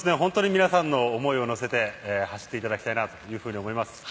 皆さんの想いをのせて走っていただきたいなと思います。